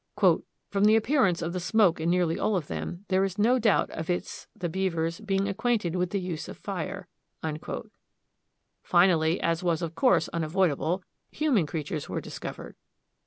"From the appearance of smoke in nearly all of them, there is no doubt of its (the beaver's) being acquainted with the use of fire." Finally, as was, of course, unavoidable, human creatures were discovered.